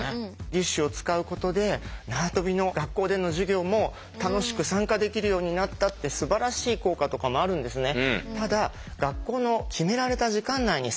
義手を使うことで縄跳びの学校での授業も楽しく参加できるようになったってすばらしい効果とかもあるんですね。